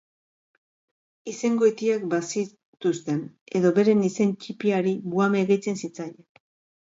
Izengoitiak bazituzten, edo beren izen ttipiari buhame gehitzen zitzaien.